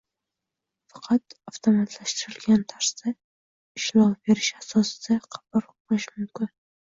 faqat avtomatlashtirilgan tarzda ishlov berish asosida qaror qabul qilinishi mumkin: